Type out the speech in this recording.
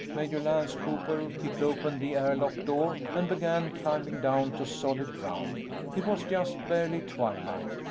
Major Lance Cooper kicked open the air lock door and began climbing down to solid ground. It was just barely twilight.